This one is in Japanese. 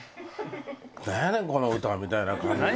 「なんやねんこの歌」みたいな感じ。